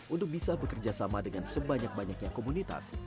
untuk bisa bekerja sama dengan sebanyak banyaknya komunitas